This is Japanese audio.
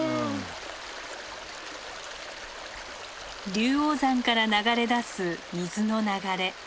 龍王山から流れ出す水の流れ。